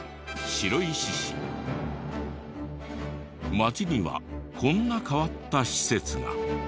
町にはこんな変わった施設が。